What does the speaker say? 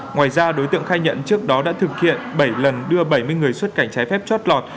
ngoài ra đối tượng khai nhận trước đó đã thực hiện bảy lần đưa bảy mươi người xuất cảnh trái phép chót lọt